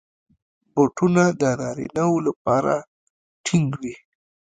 بوټونه د نارینه وو لپاره ټینګ وي.